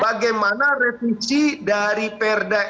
bagaimana revisi dari perda